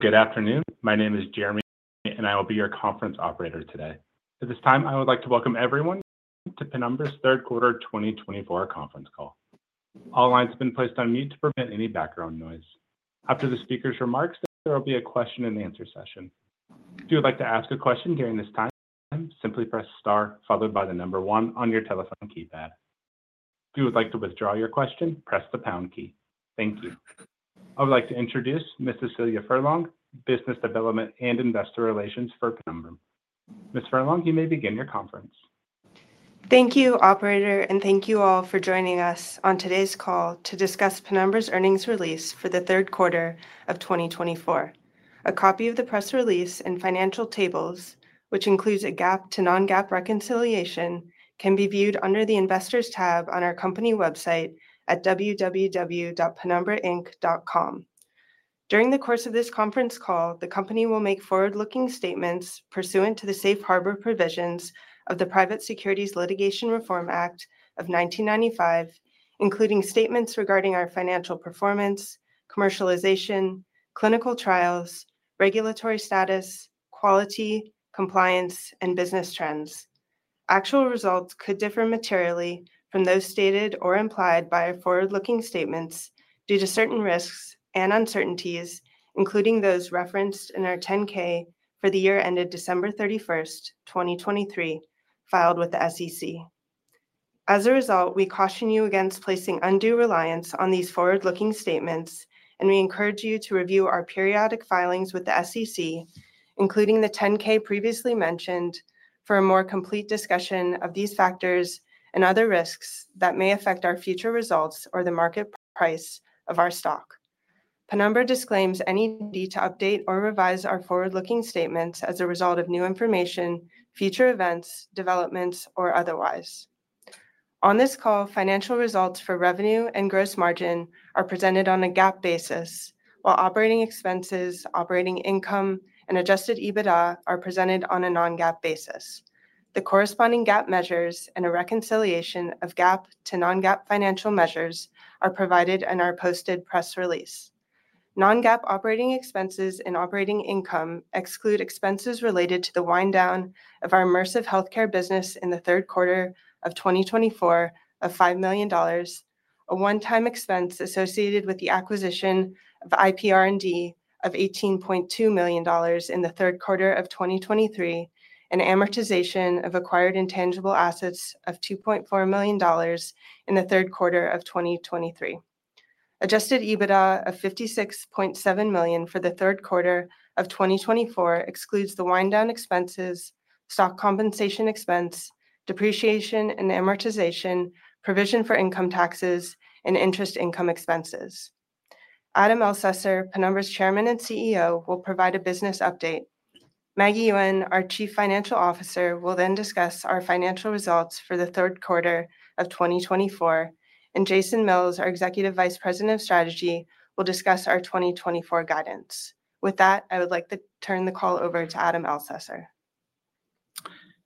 Good afternoon. My name is Jeremy, and I will be your conference operator today. At this time, I would like to welcome everyone to Penumbra's Third Quarter 2024 conference call. All lines have been placed on mute to prevent any background noise. After the speaker's remarks, there will be a question-and-answer session. If you would like to ask a question during this time, simply press star, followed by the number one on your telephone keypad. If you would like to withdraw your question, press the pound key. Thank you. I would like to introduce Ms. Cecilia Furlong, Business Development and Investor Relations for Penumbra. Ms. Furlong, you may begin your conference. Thank you, Operator, and thank you all for joining us on today's call to discuss Penumbra's earnings release for the third quarter of 2024. A copy of the press release and financial tables, which includes a GAAP to non-GAAP reconciliation, can be viewed under the Investors tab on our company website at www.penumbrainc.com. During the course of this conference call, the company will make forward-looking statements pursuant to the safe harbor provisions of the Private Securities Litigation Reform Act of 1995, including statements regarding our financial performance, commercialization, clinical trials, regulatory status, quality, compliance, and business trends. Actual results could differ materially from those stated or implied by our forward-looking statements due to certain risks and uncertainties, including those referenced in our 10-K for the year ended December 31st, 2023, filed with the SEC. As a result, we caution you against placing undue reliance on these forward-looking statements, and we encourage you to review our periodic filings with the SEC, including the 10-K previously mentioned, for a more complete discussion of these factors and other risks that may affect our future results or the market price of our stock. Penumbra disclaims any need to update or revise our forward-looking statements as a result of new information, future events, developments, or otherwise. On this call, financial results for revenue and gross margin are presented on a GAAP basis, while operating expenses, operating income, and adjusted EBITDA are presented on a non-GAAP basis. The corresponding GAAP measures and a reconciliation of GAAP to non-GAAP financial measures are provided in our posted press release. Non-GAAP operating expenses and operating income exclude expenses related to the wind down of our Immersive Healthcare business in the third quarter of 2024 of $5 million, a one-time expense associated with the acquisition of IPR&D of $18.2 million in the third quarter of 2023, and amortization of acquired intangible assets of $2.4 million in the third quarter of 2023. Adjusted EBITDA of $56.7 million for the third quarter of 2024 excludes the wind down expenses, stock compensation expense, depreciation and amortization, provision for income taxes, and interest income expenses. Adam Elsesser, Penumbra's Chairman and CEO, will provide a business update. Maggie Yuen, our Chief Financial Officer, will then discuss our financial results for the third quarter of 2024, and Jason Mills, our Executive Vice President of Strategy, will discuss our 2024 guidance. With that, I would like to turn the call over to Adam Elsesser.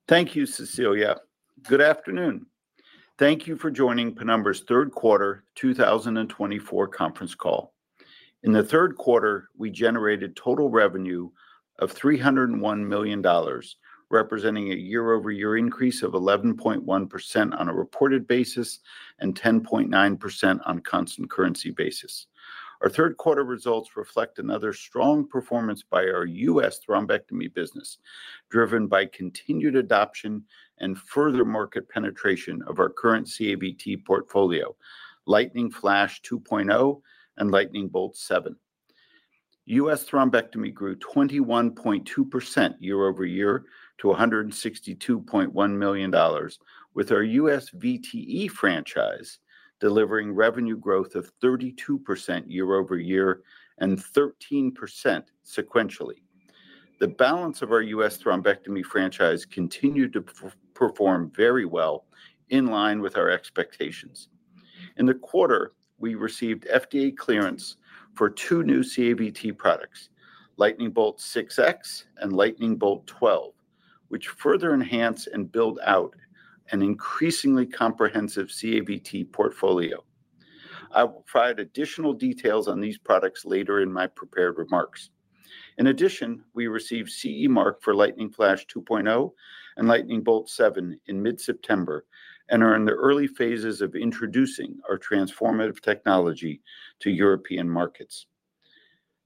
Thank you, Cecilia. Good afternoon. Thank you for joining Penumbra's Third Quarter 2024 conference call. In the third quarter, we generated total revenue of $301 million, representing a year-over-year increase of 11.1% on a reported basis and 10.9% on a constant currency basis. Our third quarter results reflect another strong performance by our U.S. thrombectomy business, driven by continued adoption and further market penetration of our current CABT portfolio, Lightning Flash 2.0 and Lightning Bolt 7. U.S. thrombectomy grew 21.2% year-over-year to $162.1 million, with our U.S. VTE franchise delivering revenue growth of 32% year-over-year and 13% sequentially. The balance of our U.S. thrombectomy franchise continued to perform very well, in line with our expectations. In the quarter, we received FDA clearance for two new CABT products, Lightning Bolt 6X and Lightning Bolt 12, which further enhance and build out an increasingly comprehensive CABT portfolio. I will provide additional details on these products later in my prepared remarks. In addition, we received CE Mark for Lightning Flash 2.0 and Lightning Bolt 7 in mid-September and are in the early phases of introducing our transformative technology to European markets.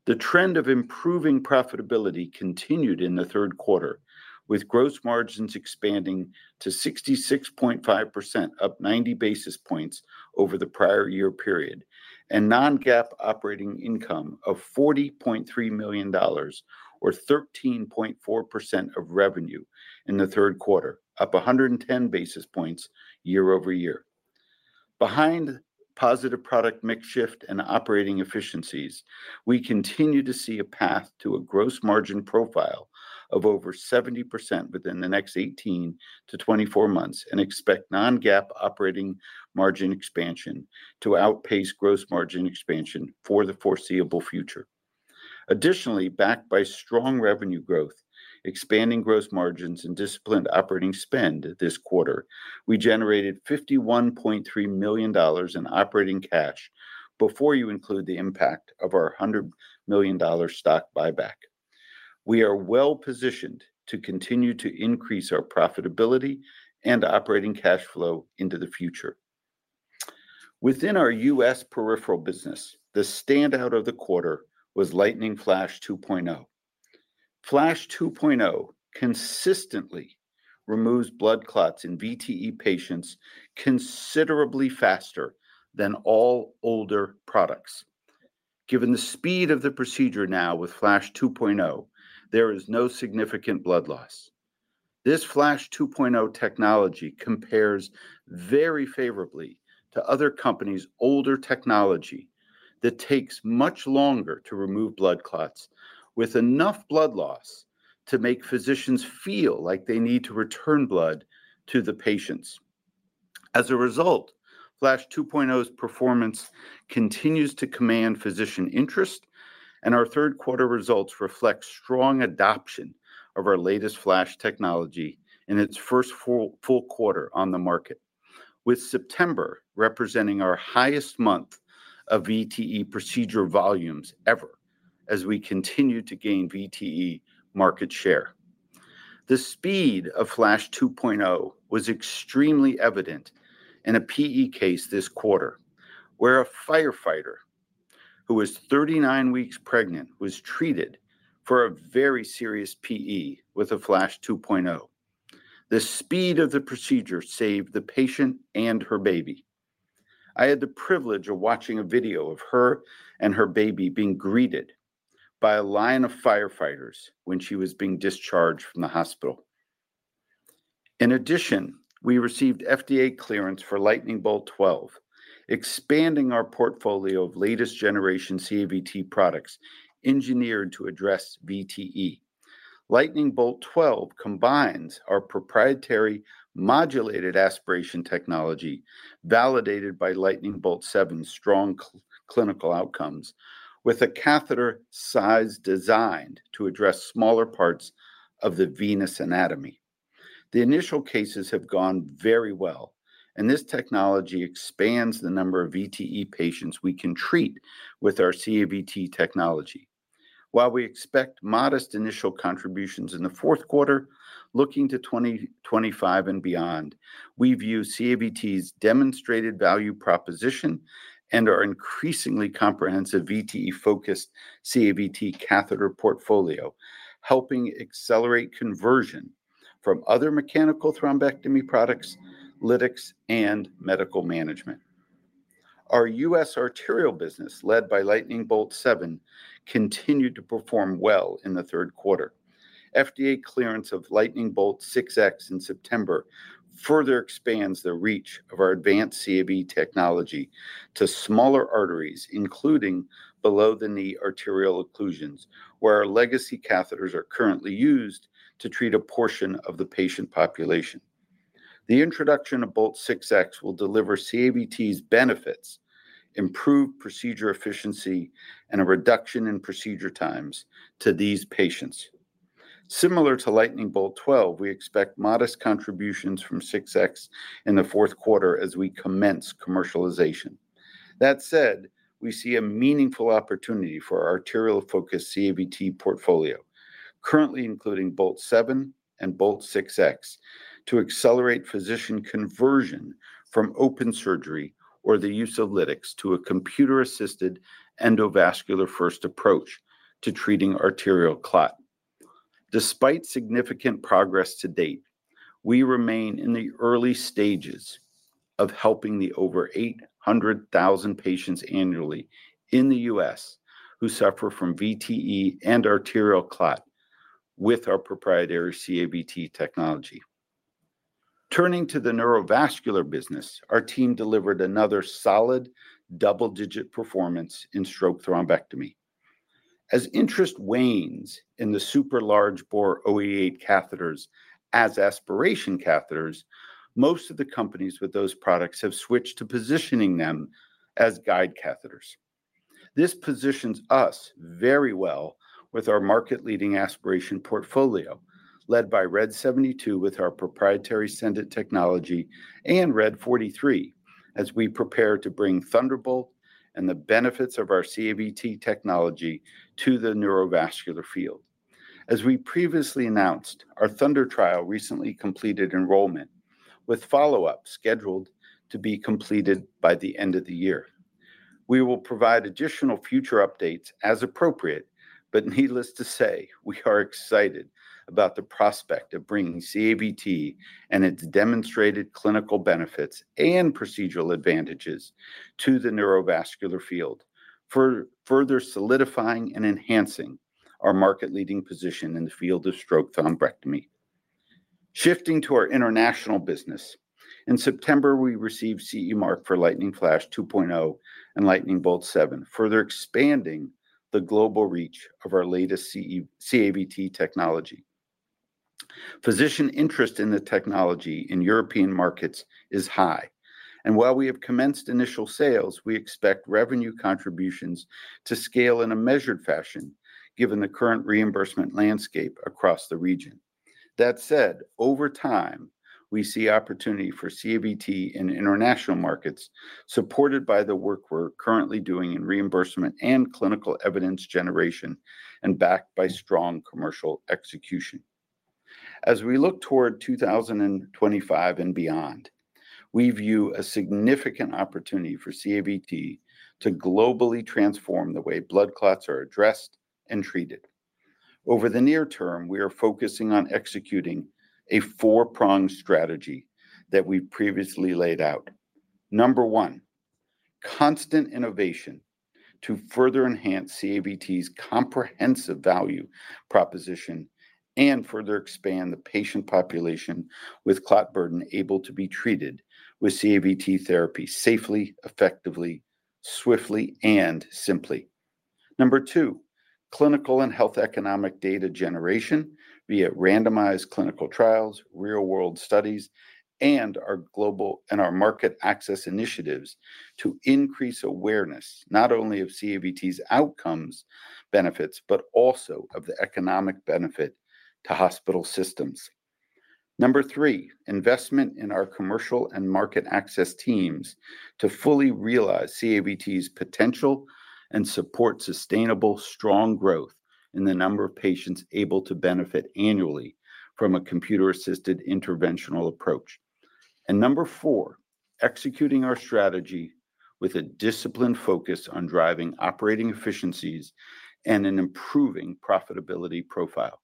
The trend of improving profitability continued in the third quarter, with gross margins expanding to 66.5%, up 90 basis points over the prior year period, and non-GAAP operating income of $40.3 million, or 13.4% of revenue in the third quarter, up 110 basis points year-over-year. Behind positive product mix shift and operating efficiencies, we continue to see a path to a gross margin profile of over 70% within the next 18-24 months and expect non-GAAP operating margin expansion to outpace gross margin expansion for the foreseeable future. Additionally, backed by strong revenue growth, expanding gross margins, and disciplined operating spend this quarter, we generated $51.3 million in operating cash before you include the impact of our $100 million stock buyback. We are well positioned to continue to increase our profitability and operating cash flow into the future. Within our U.S. peripheral business, the standout of the quarter was Lightning Flash 2.0. Flash 2.0 consistently removes blood clots in VTE patients considerably faster than all older products. Given the speed of the procedure now with Flash 2.0, there is no significant blood loss. This Flash 2.0 technology compares very favorably to other companies' older technology that takes much longer to remove blood clots, with enough blood loss to make physicians feel like they need to return blood to the patients. As a result, Flash 2.0's performance continues to command physician interest, and our third quarter results reflect strong adoption of our latest Flash technology in its first full quarter on the market, with September representing our highest month of VTE procedure volumes ever as we continue to gain VTE market share. The speed of Flash 2.0 was extremely evident in a PE case this quarter, where a firefighter who was 39 weeks pregnant was treated for a very serious PE with a Flash 2.0. The speed of the procedure saved the patient and her baby. I had the privilege of watching a video of her and her baby being greeted by a line of firefighters when she was being discharged from the hospital. In addition, we received FDA clearance for Lightning Bolt 12, expanding our portfolio of latest generation CABT products engineered to address VTE. Lightning Bolt 12 combines our proprietary modulated aspiration technology validated by Lightning Bolt 7's strong clinical outcomes with a catheter size designed to address smaller parts of the venous anatomy. The initial cases have gone very well, and this technology expands the number of VTE patients we can treat with our CABT technology. While we expect modest initial contributions in the fourth quarter, looking to 2025 and beyond, we view CABT's demonstrated value proposition and our increasingly comprehensive VTE-focused CABT catheter portfolio helping accelerate conversion from other mechanical thrombectomy products, lytics, and medical management. Our U.S. arterial business led by Lightning Bolt 7 continued to perform well in the third quarter. FDA clearance of Lightning Bolt 6X in September further expands the reach of our advanced CAB technology to smaller arteries, including below-the-knee arterial occlusions, where our legacy catheters are currently used to treat a portion of the patient population. The introduction of Lightning Bolt 6X will deliver CABT's benefits, improved procedure efficiency, and a reduction in procedure times to these patients. Similar to Lightning Bolt 12, we expect modest contributions from 6X in the fourth quarter as we commence commercialization. That said, we see a meaningful opportunity for our arterial-focused CABT portfolio, currently including Lightning Bolt 7 and Lightning Bolt 6X, to accelerate physician conversion from open surgery or the use of lytics to a computer-assisted endovascular-first approach to treating arterial clot. Despite significant progress to date, we remain in the early stages of helping the over 800,000 patients annually in the U.S. who suffer from VTE and arterial clot with our proprietary CABT technology. Turning to the neurovascular business, our team delivered another solid double-digit performance in stroke thrombectomy. As interest wanes in the super large bore 088 catheters as aspiration catheters, most of the companies with those products have switched to positioning them as guide catheters. This positions us very well with our market-leading aspiration portfolio led by RED 72 with our proprietary Sendit technology and RED 43 as we prepare to bring Thunderbolt and the benefits of our CABT technology to the neurovascular field. As we previously announced, our Thunder trial recently completed enrollment, with follow-up scheduled to be completed by the end of the year. We will provide additional future updates as appropriate, but needless to say, we are excited about the prospect of bringing CABT and its demonstrated clinical benefits and procedural advantages to the neurovascular field for further solidifying and enhancing our market-leading position in the field of stroke thrombectomy. Shifting to our international business, in September, we received CE Mark for Lightning Flash 2.0 and Lightning Bolt 7, further expanding the global reach of our latest CABT technology. Physician interest in the technology in European markets is high, and while we have commenced initial sales, we expect revenue contributions to scale in a measured fashion given the current reimbursement landscape across the region. That said, over time, we see opportunity for CABT in international markets supported by the work we're currently doing in reimbursement and clinical evidence generation and backed by strong commercial execution. As we look toward 2025 and beyond, we view a significant opportunity for CABT to globally transform the way blood clots are addressed and treated. Over the near term, we are focusing on executing a four-pronged strategy that we previously laid out. Number one, constant innovation to further enhance CABT's comprehensive value proposition and further expand the patient population with clot burden able to be treated with CABT therapy safely, effectively, swiftly, and simply. Number two, clinical and health economic data generation via randomized clinical trials, real-world studies, and our market access initiatives to increase awareness not only of CABT's outcomes, benefits, but also of the economic benefit to hospital systems. Number three, investment in our commercial and market access teams to fully realize CABT's potential and support sustainable, strong growth in the number of patients able to benefit annually from a computer-assisted interventional approach. And number four, executing our strategy with a disciplined focus on driving operating efficiencies and an improving profitability profile.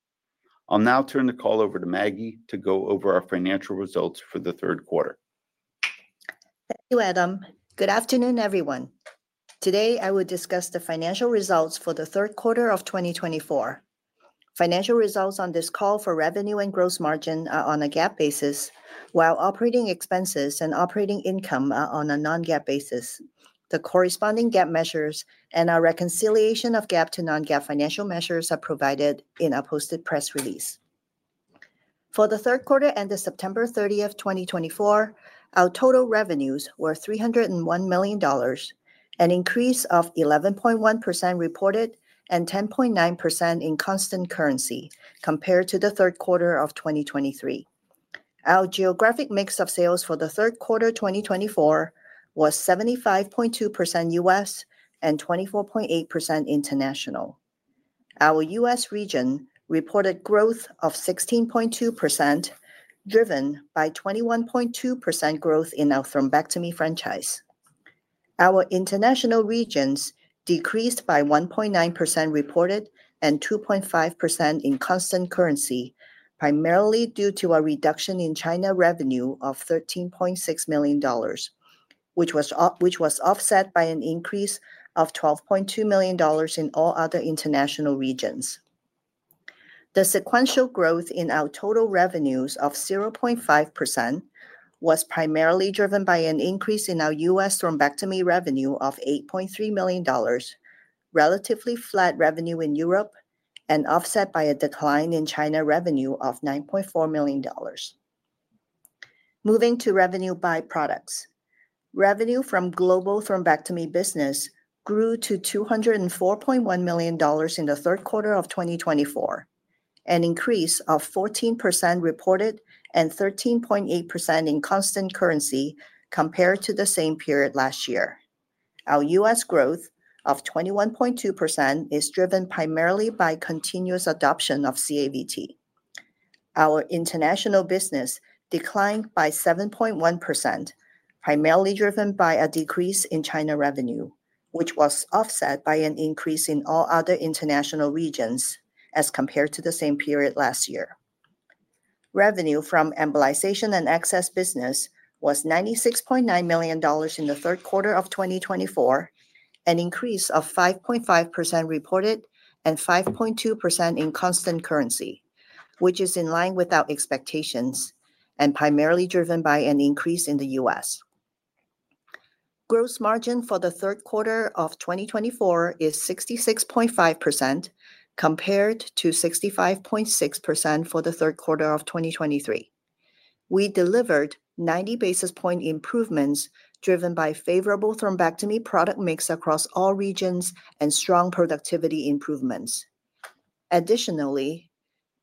I'll now turn the call over to Maggie to go over our financial results for the third quarter. Thank you, Adam. Good afternoon, everyone. Today, I will discuss the financial results for the third quarter of 2024. Financial results on this call for revenue and gross margin are on a GAAP basis while operating expenses and operating income are on a non-GAAP basis. The corresponding GAAP measures and our reconciliation of GAAP to non-GAAP financial measures are provided in a posted press release. For the third quarter ended September 30, 2024, our total revenues were $301 million, an increase of 11.1% reported and 10.9% in constant currency compared to the third quarter of 2023. Our geographic mix of sales for the third quarter 2024 was 75.2% U.S. and 24.8% international. Our U.S. region reported growth of 16.2%, driven by 21.2% growth in our thrombectomy franchise. Our international regions decreased by 1.9% reported and 2.5% in constant currency, primarily due to a reduction in China revenue of $13.6 million, which was offset by an increase of $12.2 million in all other international regions. The sequential growth in our total revenues of 0.5% was primarily driven by an increase in our U.S. thrombectomy revenue of $8.3 million, relatively flat revenue in Europe, and offset by a decline in China revenue of $9.4 million. Moving to revenue by products, revenue from global thrombectomy business grew to $204.1 million in the third quarter of 2024, an increase of 14% reported and 13.8% in constant currency compared to the same period last year. Our U.S. growth of 21.2% is driven primarily by continuous adoption of CABT. Our international business declined by 7.1%, primarily driven by a decrease in China revenue, which was offset by an increase in all other international regions as compared to the same period last year. Revenue from embolization and access business was $96.9 million in the third quarter of 2024, an increase of 5.5% reported and 5.2% in constant currency, which is in line with our expectations and primarily driven by an increase in the U.S. Gross margin for the third quarter of 2024 is 66.5% compared to 65.6% for the third quarter of 2023. We delivered 90 basis point improvements driven by favorable thrombectomy product mix across all regions and strong productivity improvements. Additionally,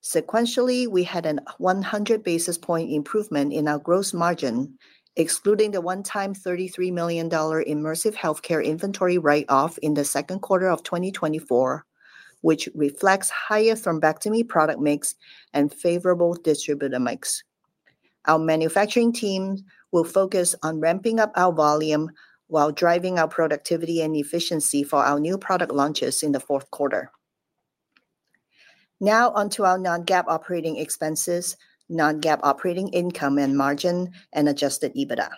sequentially, we had a 100 basis point improvement in our gross margin, excluding the one-time $33 million Immersive Healthcare inventory write-off in the second quarter of 2024, which reflects higher thrombectomy product mix and favorable distributor mix. Our manufacturing team will focus on ramping up our volume while driving our productivity and efficiency for our new product launches in the fourth quarter. Now onto our non-GAAP operating expenses, non-GAAP operating income and margin, and Adjusted EBITDA.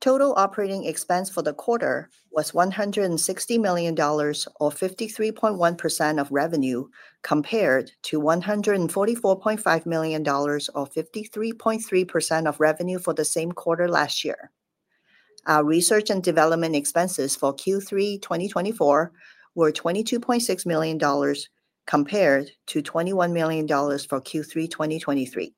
Total operating expense for the quarter was $160 million, or 53.1% of revenue, compared to $144.5 million, or 53.3% of revenue for the same quarter last year. Our research and development expenses for Q3 2024 were $22.6 million compared to $21 million for Q3 2023.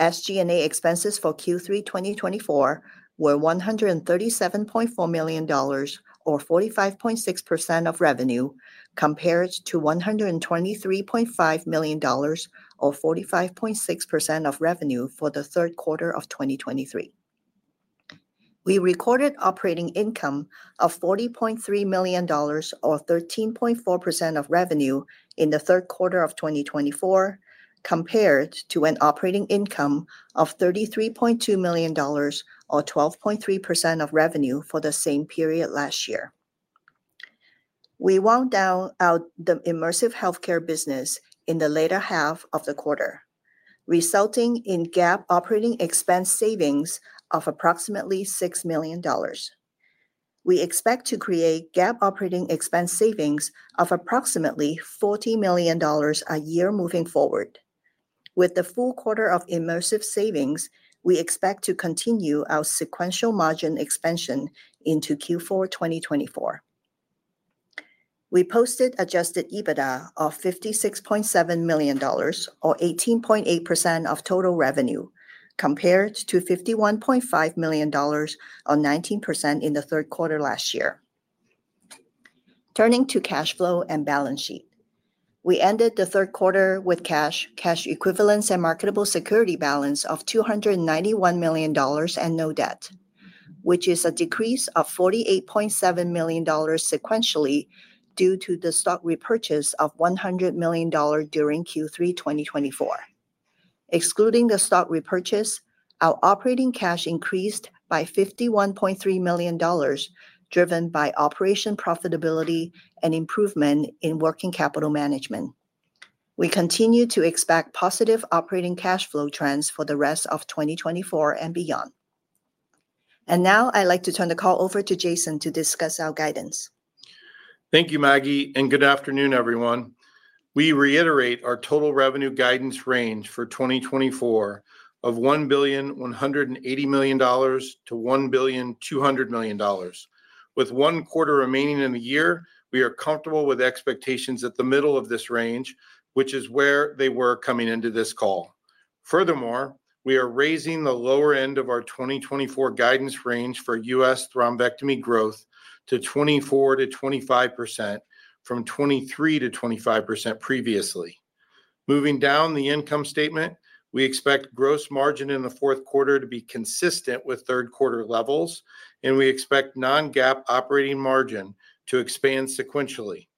SG&A expenses for Q3 2024 were $137.4 million, or 45.6% of revenue, compared to $123.5 million, or 45.6% of revenue for the third quarter of 2023. We recorded operating income of $40.3 million, or 13.4% of revenue in the third quarter of 2024, compared to an operating income of $33.2 million, or 12.3% of revenue for the same period last year. We wound down our Immersive Healthcare business in the later half of the quarter, resulting in GAAP operating expense savings of approximately $6 million. We expect to create GAAP operating expense savings of approximately $40 million a year moving forward. With the full quarter of Immersive Healthcare savings, we expect to continue our sequential margin expansion into Q4 2024. We posted Adjusted EBITDA of $56.7 million, or 18.8% of total revenue, compared to $51.5 million or 19% in the third quarter last year. Turning to cash flow and balance sheet, we ended the third quarter with cash, cash equivalents, and marketable securities balance of $291 million and no debt, which is a decrease of $48.7 million sequentially due to the stock repurchase of $100 million during Q3 2024. Excluding the stock repurchase, our operating cash increased by $51.3 million, driven by operational profitability and improvement in working capital management. We continue to expect positive operating cash flow trends for the rest of 2024 and beyond, and now I'd like to turn the call over to Jason to discuss our guidance. Thank you, Maggie, and good afternoon, everyone. We reiterate our total revenue guidance range for 2024 of $1,180 million-$1,200 million. With one quarter remaining in the year, we are comfortable with expectations at the middle of this range, which is where they were coming into this call. Furthermore, we are raising the lower end of our 2024 guidance range for U.S. thrombectomy growth to 24%-25% from 23%-25% previously. Moving down the income statement, we expect gross margin in the fourth quarter to be consistent with third quarter levels, and we expect non-GAAP operating margin to expand sequentially.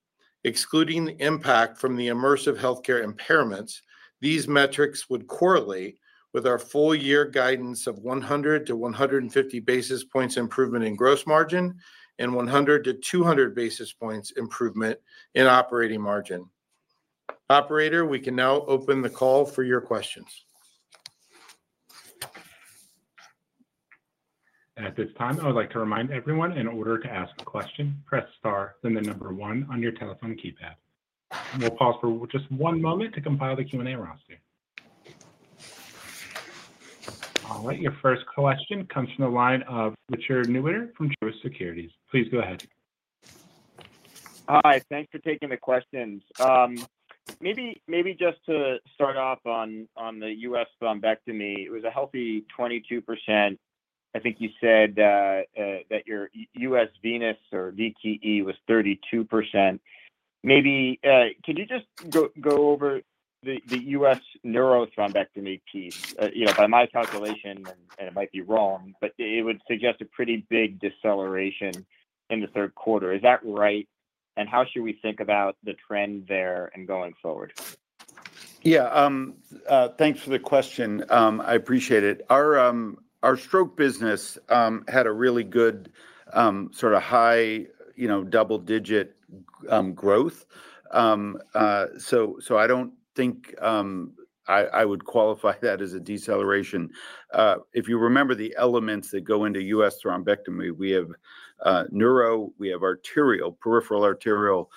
Excluding the impact from the Immersive Healthcare impairments, these metrics would correlate with our full year guidance of 100 to 150 basis points improvement in gross margin and 100 to 200 basis points improvement in operating margin. Operator, we can now open the call for your questions. At this time, I would like to remind everyone in order to ask a question, press star, then the number one on your telephone keypad. We'll pause for just one moment to compile the Q&A around you. All right, your first question comes from the line of Richard Newitter from Truist Securities. Please go ahead. Hi, thanks for taking the questions. Maybe just to start off on the U.S. thrombectomy, it was a healthy 22%. I think you said that your U.S. venous or VTE was 32%. Maybe can you just go over the U.S. neuro-thrombectomy piece? You know, by my calculation, and it might be wrong, but it would suggest a pretty big deceleration in the third quarter. Is that right? And how should we think about the trend there and going forward? Yeah, thanks for the question. I appreciate it. Our stroke business had a really good sort of high, you know, double-digit growth. So I don't think I would qualify that as a deceleration. If you remember the elements that go into U.S. thrombectomy, we have neuro, we have arterial, peripheral arterial,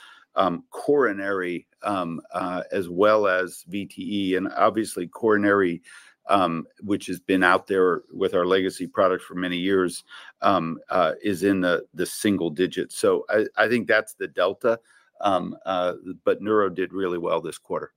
coronary, as well as VTE, and obviously coronary, which has been out there with our legacy product for many years, is in the single digit. So I think that's the delta, but neuro did really well this quarter.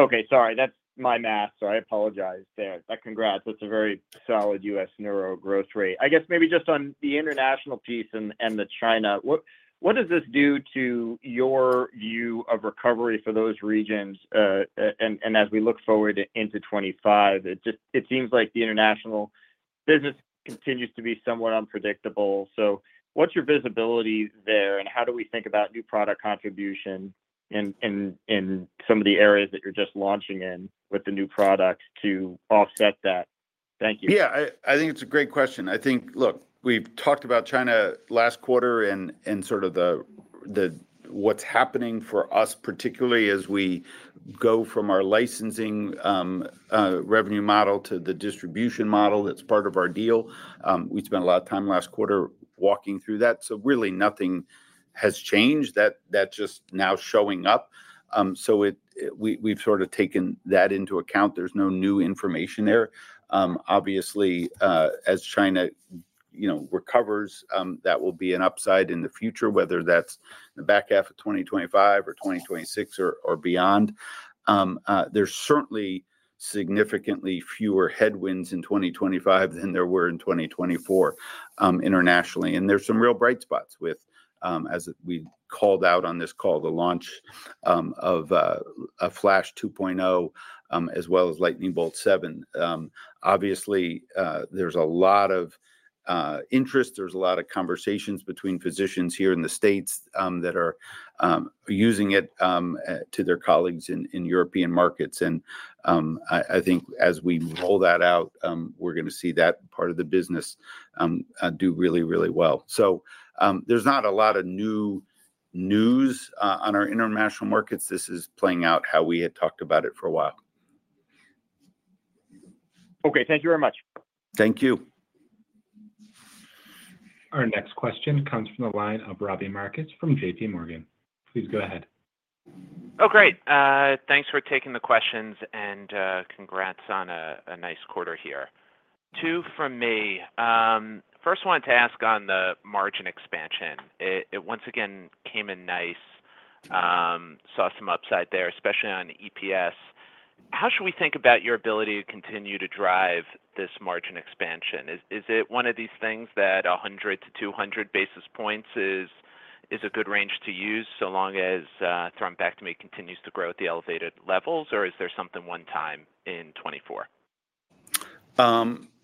Okay, sorry, that's my math, so I apologize there. Congrats, that's a very solid U.S. neuro growth rate. I guess maybe just on the international piece and the China, what does this do to your view of recovery for those regions? And as we look forward into 2025, it seems like the international business continues to be somewhat unpredictable. So what's your visibility there, and how do we think about new product contribution in some of the areas that you're just launching in with the new product to offset that? Thank you. Yeah, I think it's a great question. I think, look, we've talked about China last quarter and sort of what's happening for us, particularly as we go from our licensing revenue model to the distribution model that's part of our deal. We spent a lot of time last quarter walking through that. So really nothing has changed. That's just now showing up. So we've sort of taken that into account. There's no new information there. Obviously, as China recovers, that will be an upside in the future, whether that's the back half of 2025 or 2026 or beyond. There's certainly significantly fewer headwinds in 2025 than there were in 2024 internationally. And there's some real bright spots with, as we called out on this call, the launch of a Flash 2.0, as well as Lightning Bolt 7. Obviously, there's a lot of interest. There's a lot of conversations between physicians here in the States that are using it to their colleagues in European markets, and I think as we roll that out, we're going to see that part of the business do really, really well, so there's not a lot of new news on our international markets. This is playing out how we had talked about it for a while. Okay, thank you very much. Thank you. Our next question comes from the line of Robbie Marcus from JPMorgan. Please go ahead. Oh, great. Thanks for taking the questions and congrats on a nice quarter here. Two from me. First, I wanted to ask on the margin expansion. It once again came in nice. Saw some upside there, especially on EPS. How should we think about your ability to continue to drive this margin expansion? Is it one of these things that 100 to 200 basis points is a good range to use so long as thrombectomy continues to grow at the elevated levels, or is there something one time in 2024?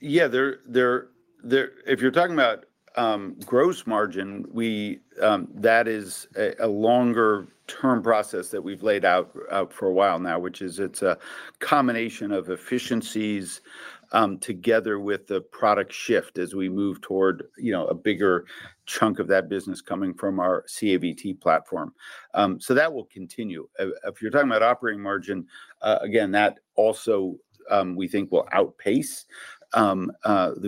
Yeah, if you're talking about gross margin, that is a longer-term process that we've laid out for a while now, which is it's a combination of efficiencies together with the product shift as we move toward a bigger chunk of that business coming from our CABT platform. So that will continue. If you're talking about operating margin, again, that also we think will outpace the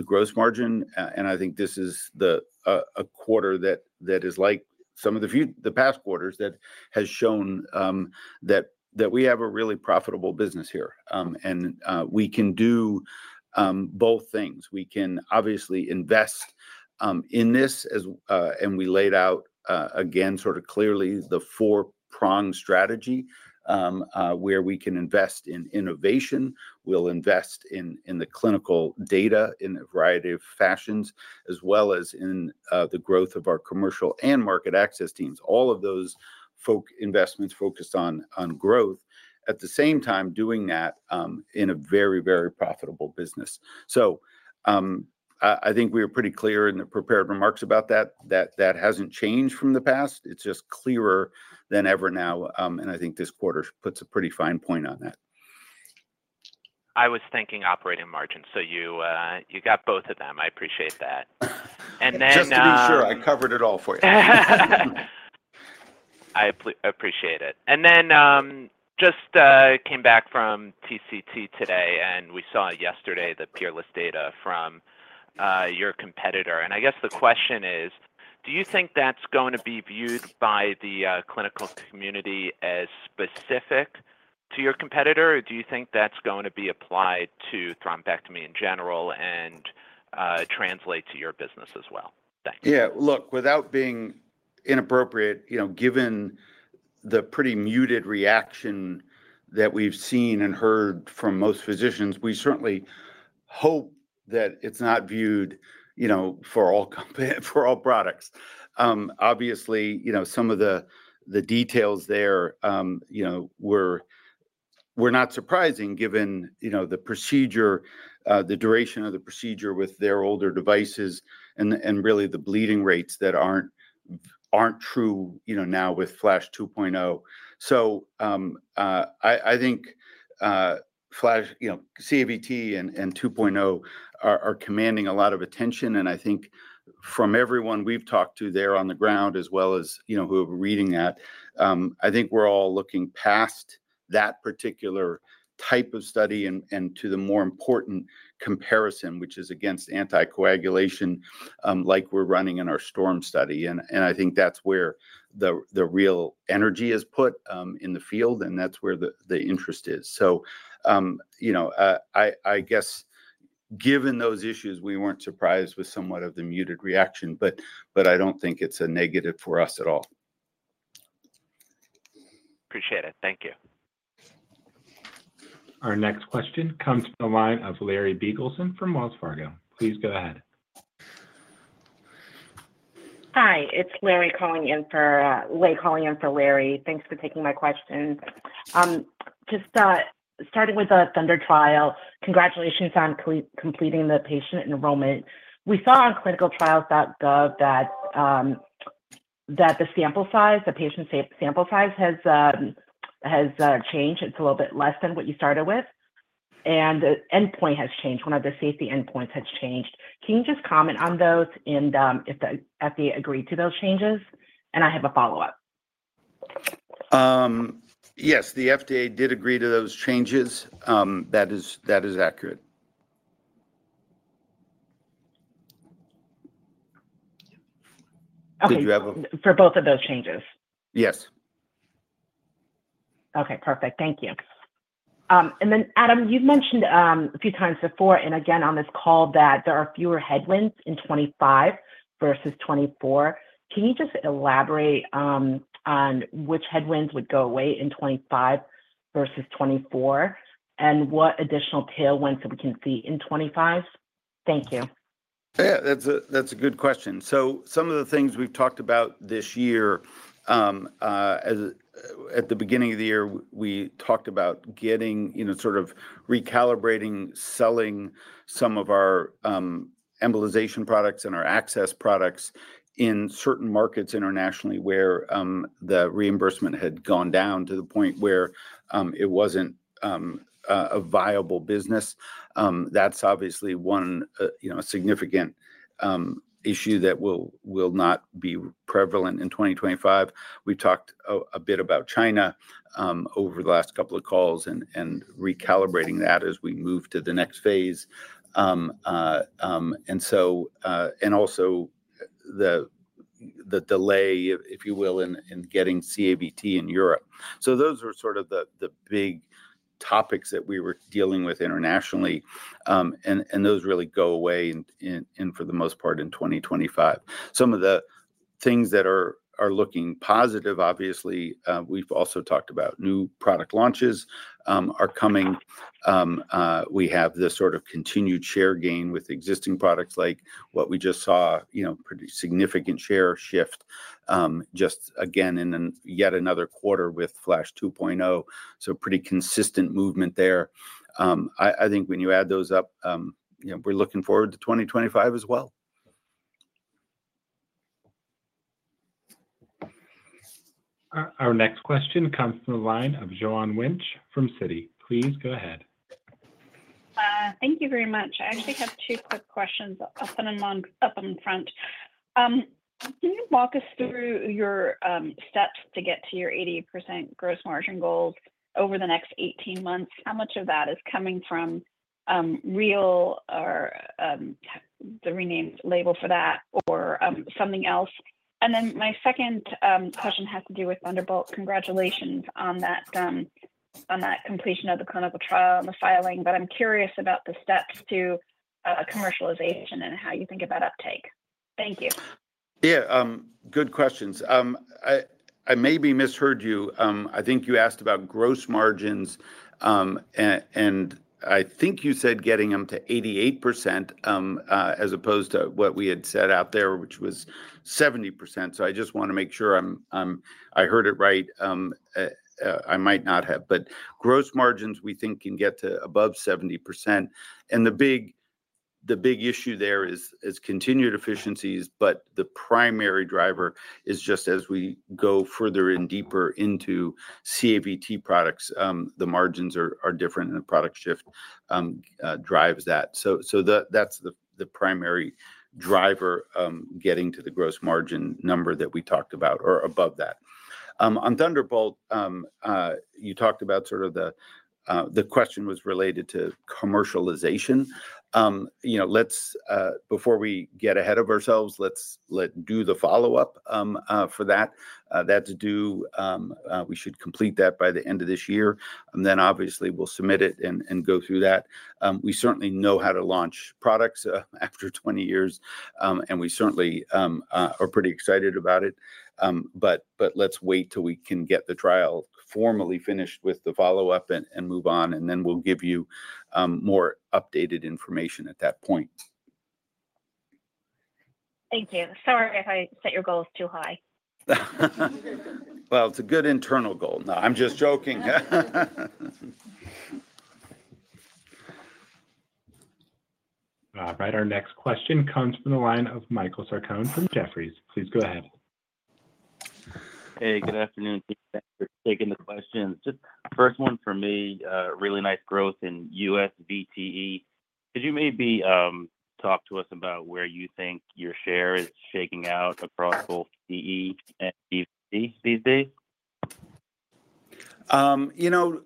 gross margin. And I think this is a quarter that is like some of the past quarters that has shown that we have a really profitable business here. And we can do both things. We can obviously invest in this, and we laid out again sort of clearly the four-prong strategy where we can invest in innovation. We'll invest in the clinical data in a variety of fashions, as well as in the growth of our commercial and market access teams. All of those investments focused on growth, at the same time doing that in a very, very profitable business. So I think we were pretty clear in the prepared remarks about that. That hasn't changed from the past. It's just clearer than ever now, and I think this quarter puts a pretty fine point on that. I was thinking operating margin. So you got both of them. I appreciate that. And then. Just to be sure, I covered it all for you. I appreciate it and then just came back from TCT today, and we saw yesterday the PEERLESS data from your competitor and I guess the question is, do you think that's going to be viewed by the clinical community as specific to your competitor, or do you think that's going to be applied to thrombectomy in general and translate to your business as well? Thanks. Yeah, look, without being inappropriate, given the pretty muted reaction that we've seen and heard from most physicians, we certainly hope that it's not viewed for all products. Obviously, some of the details there were not surprising given the procedure, the duration of the procedure with their older devices, and really the bleeding rates that aren't true now with Flash 2.0. So I think CABT and 2.0 are commanding a lot of attention. And I think from everyone we've talked to there on the ground, as well as who are reading that, I think we're all looking past that particular type of study and to the more important comparison, which is against anticoagulation, like we're running in our STORM study. And I think that's where the real energy is put in the field, and that's where the interest is. So I guess given those issues, we weren't surprised with somewhat of the muted reaction, but I don't think it's a negative for us at all. Appreciate it. Thank you. Our next question comes from the line of Larry Biegelsen from Wells Fargo. Please go ahead. Hi, it's Larry calling in for Larry. Thanks for taking my question. Just starting with the Thunder trial, congratulations on completing the patient enrollment. We saw on clinicaltrials.gov that the sample size, the patient sample size has changed. It's a little bit less than what you started with. And the endpoint has changed. One of the safety endpoints has changed. Can you just comment on those and if the FDA agreed to those changes? And I have a follow-up. Yes, the FDA did agree to those changes. That is accurate. Okay. For both of those changes? Yes. Okay, perfect. Thank you. And then, Adam, you've mentioned a few times before, and again on this call, that there are fewer headwinds in 2025 versus 2024. Can you just elaborate on which headwinds would go away in 2025 versus 2024, and what additional tailwinds that we can see in 2025? Thank you. Yeah, that's a good question. So some of the things we've talked about this year, at the beginning of the year, we talked about getting sort of recalibrating, selling some of our embolization products and our access products in certain markets internationally where the reimbursement had gone down to the point where it wasn't a viable business. That's obviously one significant issue that will not be prevalent in 2025. We've talked a bit about China over the last couple of calls and recalibrating that as we move to the next phase. And also, the delay, if you will, in getting CABT in Europe. So those are sort of the big topics that we were dealing with internationally. And those really go away for the most part in 2025. Some of the things that are looking positive, obviously, we've also talked about new product launches are coming. We have this sort of continued share gain with existing products like what we just saw, pretty significant share shift just again in yet another quarter with Flash 2.0. So pretty consistent movement there. I think when you add those up, we're looking forward to 2025 as well. Our next question comes from the line of Joanne Wuensch from Citi. Please go ahead. Thank you very much. I actually have two quick questions up in front. Can you walk us through your steps to get to your 80% gross margin goals over the next 18 months? How much of that is coming from real or the renamed label for that or something else? And then my second question has to do with Thunderbolt. Congratulations on that completion of the clinical trial and the filing, but I'm curious about the steps to commercialization and how you think about uptake. Thank you. Yeah, good questions. I maybe misheard you. I think you asked about gross margins, and I think you said getting them to 88% as opposed to what we had set out there, which was 70%. So I just want to make sure I heard it right. I might not have, but gross margins, we think can get to above 70%. And the big issue there is continued efficiencies, but the primary driver is just as we go further and deeper into CABT products, the margins are different and the product shift drives that, so that's the primary driver getting to the gross margin number that we talked about or above that. On Thunderbolt, you talked about sort of the question was related to commercialization. Before we get ahead of ourselves, let's do the follow-up for that. That's due. We should complete that by the end of this year. And then obviously, we'll submit it and go through that. We certainly know how to launch products after 20 years, and we certainly are pretty excited about it. But let's wait till we can get the trial formally finished with the follow-up and move on, and then we'll give you more updated information at that point. Thank you. Sorry if I set your goals too high. Well, it's a good internal goal. No, I'm just joking. All right, our next question comes from the line of Michael Sarcone from Jefferies. Please go ahead. Hey, good afternoon. Thanks for taking the question. Just first one for me, really nice growth in U.S. VTE. Could you maybe talk to us about where you think your share is shaking out across both PE and VTE these days? You know,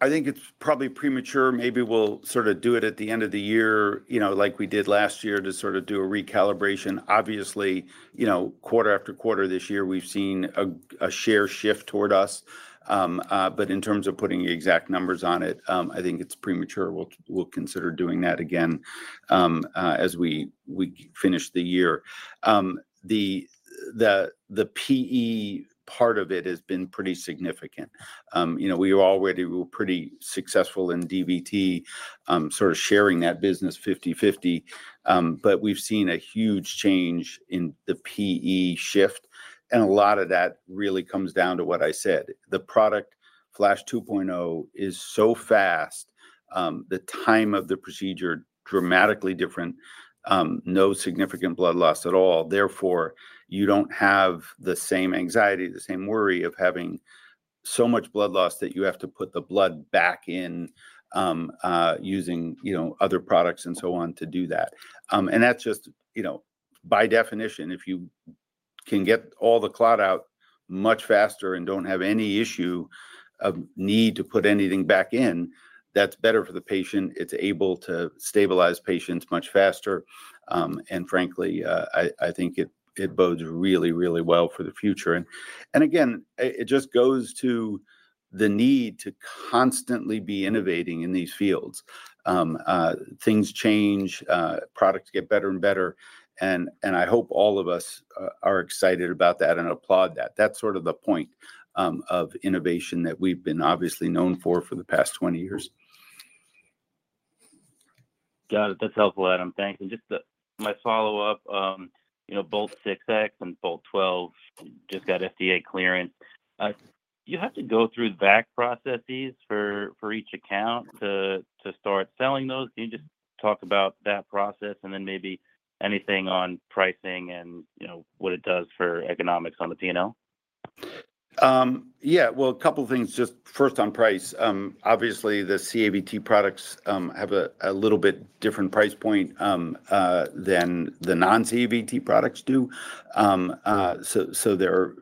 I think it's probably premature. Maybe we'll sort of do it at the end of the year like we did last year to sort of do a recalibration. Obviously, quarter after quarter this year, we've seen a share shift toward us. But in terms of putting exact numbers on it, I think it's premature. We'll consider doing that again as we finish the year. The PE part of it has been pretty significant. We already were pretty successful in DVT, sort of sharing that business 50/50. But we've seen a huge change in the PE shift. And a lot of that really comes down to what I said. The product, Flash 2.0, is so fast, the time of the procedure dramatically different, no significant blood loss at all. Therefore, you don't have the same anxiety, the same worry of having so much blood loss that you have to put the blood back in using other products and so on to do that. And that's just by definition, if you can get all the clot out much faster and don't have any issue of need to put anything back in, that's better for the patient. It's able to stabilize patients much faster. And frankly, I think it bodes really, really well for the future. And again, it just goes to the need to constantly be innovating in these fields. Things change, products get better and better. And I hope all of us are excited about that and applaud that. That's sort of the point of innovation that we've been obviously known for for the past 20 years. Got it. That's helpful, Adam. Thanks. And just my follow-up, Bolt 6X and Bolt 12 just got FDA clearance. You have to go through VAC processes for each account to start selling those. Can you just talk about that process and then maybe anything on pricing and what it does for economics on the P&L? Yeah, well, a couple of things. Just first on price. Obviously, the CAVT products have a little bit different price point than the non-CAVT products do. So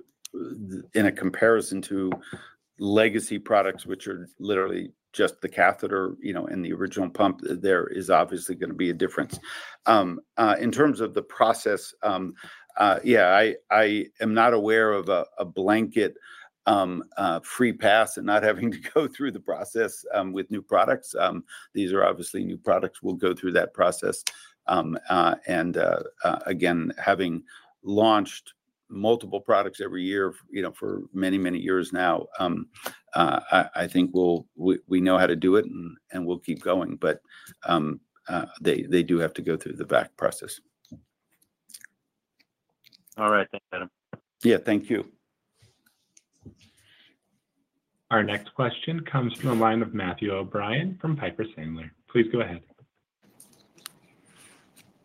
in a comparison to legacy products, which are literally just the catheter and the original pump, there is obviously going to be a difference. In terms of the process, yeah, I am not aware of a blanket free pass and not having to go through the process with new products. These are obviously new products. We'll go through that process. And again, having launched multiple products every year for many, many years now, I think we know how to do it and we'll keep going. But they do have to go through the VAC process. All right, thanks, Adam. Yeah, thank you. Our next question comes from the line of Matthew O'Brien from Piper Sandler. Please go ahead.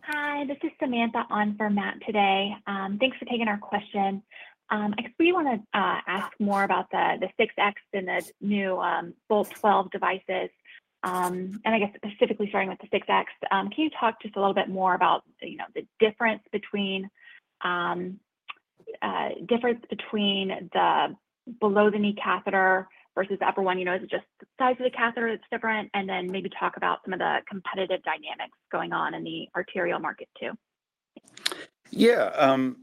Hi, this is Samantha on for Matt today. Thanks for taking our question. I really want to ask more about the 6X and the new Bolt 12 devices, and I guess specifically starting with the 6X, can you talk just a little bit more about the difference between the below-the-knee catheter versus the upper one? Is it just the size of the catheter that's different, and then maybe talk about some of the competitive dynamics going on in the arterial market too. Yeah, on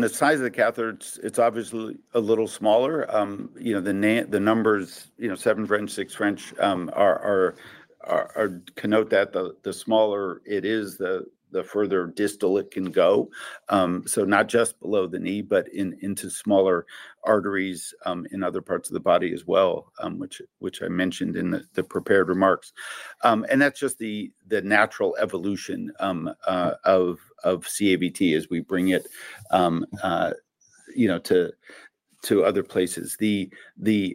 the size of the catheter, it's obviously a little smaller. The numbers, seven French, six French, you can note that the smaller it is, the further distal it can go. So not just below the knee, but into smaller arteries in other parts of the body as well, which I mentioned in the prepared remarks. And that's just the natural evolution of CABT as we bring it to other places. The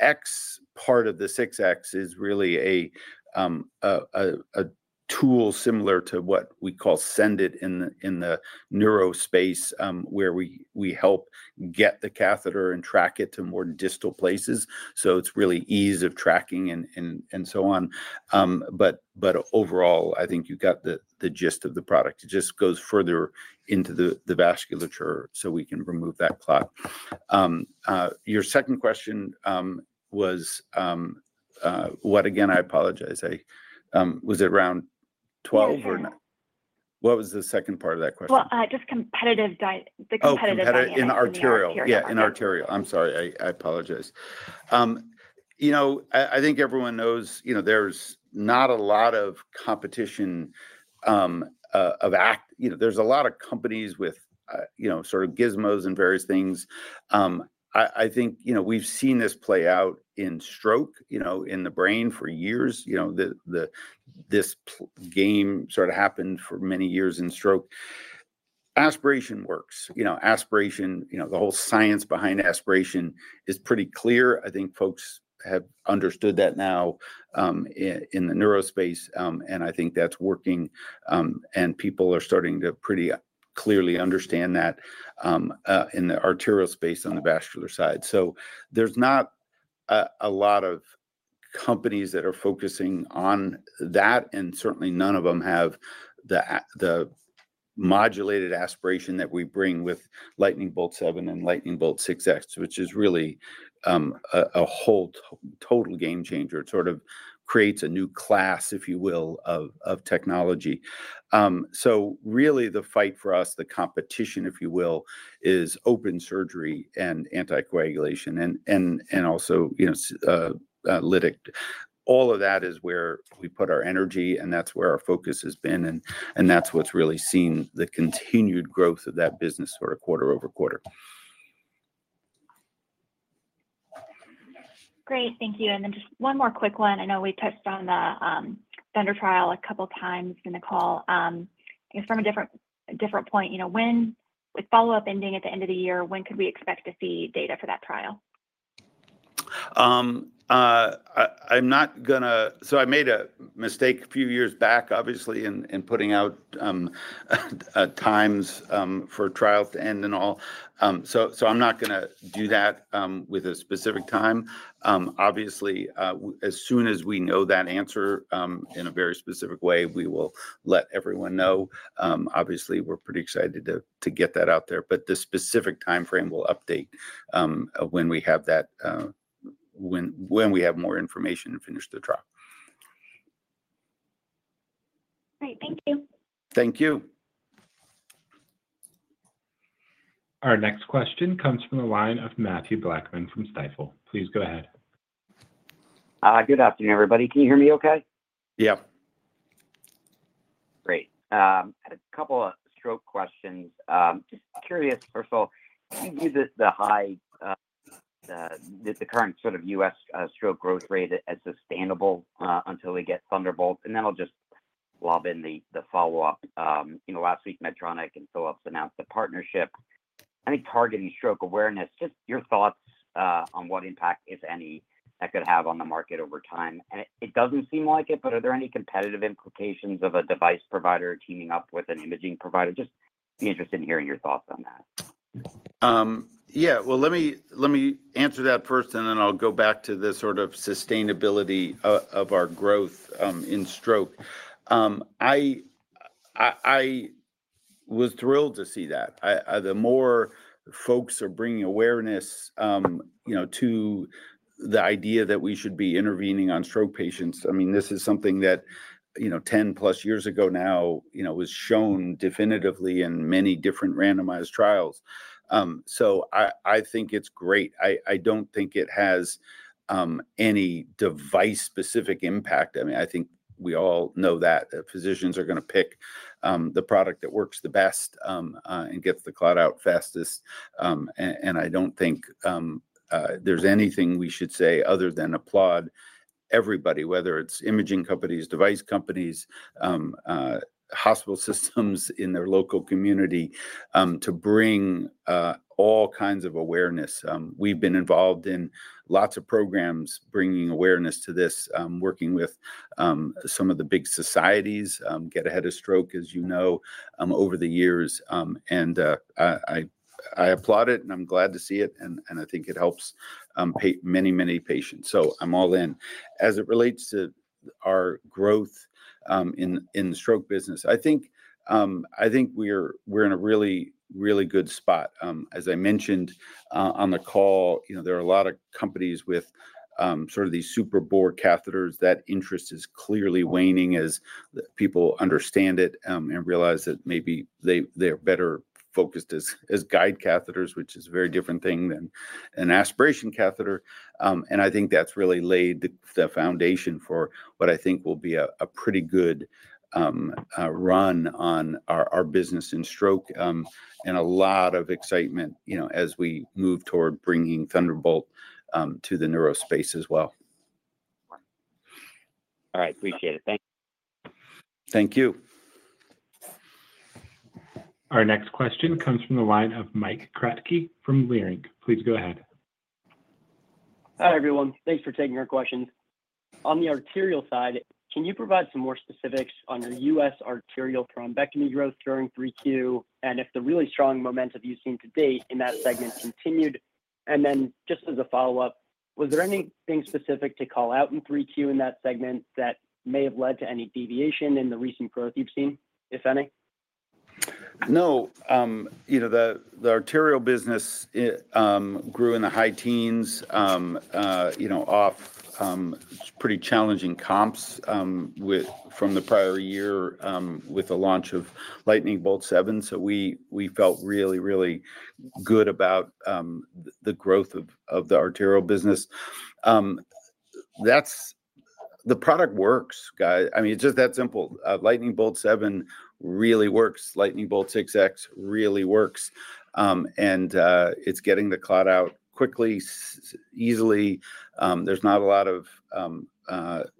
X part of the 6X is really a tool similar to what we call Sendit in the neuro space where we help get the catheter and track it to more distal places. So it's really ease of tracking and so on. But overall, I think you've got the gist of the product. It just goes further into the vasculature so we can remove that clot. Your second question was what? Again, I apologize. Was it around 12 or? 12. What was the second part of that question? Well, just competitive. Oh, competitive arterial. Oh, competitive arterial. Yeah, in arterial. I'm sorry. I apologize. I think everyone knows there's not a lot of competition out there. There's a lot of companies with sort of gizmos and various things. I think we've seen this play out in stroke in the brain for years. This game sort of happened for many years in stroke. Aspiration works. Aspiration, the whole science behind aspiration is pretty clear. I think folks have understood that now in the neuro space, and I think that's working, and people are starting to pretty clearly understand that in the arterial space on the vascular side, so there's not a lot of companies that are focusing on that, and certainly, none of them have the modulated aspiration that we bring with Lightning Bolt 7 and Lightning Bolt 6X, which is really a total game changer. It sort of creates a new class, if you will, of technology. So really, the fight for us, the competition, if you will, is open surgery and anticoagulation and also lytic. All of that is where we put our energy, and that's where our focus has been. And that's what's really seen the continued growth of that business sort of quarter over quarter. Great. Thank you. And then just one more quick one. I know we touched on the vendor trial a couple of times in the call. From a different point, with follow-up ending at the end of the year, when could we expect to see data for that trial? I'm not going to, so I made a mistake a few years back, obviously, in putting out times for trials to end and all, so I'm not going to do that with a specific time. Obviously, as soon as we know that answer in a very specific way, we will let everyone know. Obviously, we're pretty excited to get that out there, but the specific timeframe will update when we have that, when we have more information and finish the trial. Great. Thank you. Thank you. Our next question comes from the line of Mathew Blackman from Stifel. Please go ahead. Good afternoon, everybody. Can you hear me okay? Yeah. Great. I had a couple of stroke questions. Just curious, first of all, can you view the current sort of U.S. stroke growth rate as sustainable until we get Thunderbolt? And then I'll just lob in the follow-up. Last week, Medtronic and Philips announced a partnership. I think targeting stroke awareness, just your thoughts on what impact, if any, that could have on the market over time. And it doesn't seem like it, but are there any competitive implications of a device provider teaming up with an imaging provider? Just be interested in hearing your thoughts on that. Yeah, well, let me answer that first, and then I'll go back to the sort of sustainability of our growth in stroke. I was thrilled to see that. The more folks are bringing awareness to the idea that we should be intervening on stroke patients, I mean, this is something that 10-plus years ago now was shown definitively in many different randomized trials. So I think it's great. I don't think it has any device-specific impact. I mean, I think we all know that physicians are going to pick the product that works the best and gets the clot out fastest. And I don't think there's anything we should say other than applaud everybody, whether it's imaging companies, device companies, hospital systems in their local community, to bring all kinds of awareness. We've been involved in lots of programs bringing awareness to this, working with some of the big societies, Get Ahead of Stroke, as you know, over the years, and I applaud it, and I'm glad to see it, and I think it helps many, many patients, so I'm all in. As it relates to our growth in the stroke business, I think we're in a really, really good spot. As I mentioned on the call, there are a lot of companies with sort of these super bore catheters. That interest is clearly waning as people understand it and realize that maybe they're better focused as guide catheters, which is a very different thing than an aspiration catheter. I think that's really laid the foundation for what I think will be a pretty good run on our business in stroke and a lot of excitement as we move toward bringing Thunderbolt to the neuro space as well. All right, appreciate it. Thanks. Thank you. Our next question comes from the line of Mike Kratky from Leerink. Please go ahead. Hi, everyone. Thanks for taking our questions. On the arterial side, can you provide some more specifics on your U.S. arterial thrombectomy growth during 3Q and if the really strong momentum you've seen to date in that segment continued? And then just as a follow-up, was there anything specific to call out in 3Q in that segment that may have led to any deviation in the recent growth you've seen, if any? No. The arterial business grew in the high teens off pretty challenging comps from the prior year with the launch of Lightning Bolt 7. So we felt really, really good about the growth of the arterial business. The product works, guys. I mean, it's just that simple. Lightning Bolt 7 really works. Lightning Bolt 6X really works. And it's getting the clot out quickly, easily. There's not a lot of